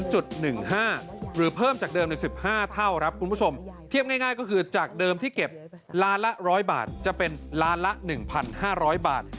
หรือเพิ่มจากเดิมใน๑๕เท่าครับคุณผู้ชมเทียบง่ายก็คือจากเดิมที่เก็บล้านละ๑๐๐บาทจะเป็นล้านละ๑๕๐๐บาท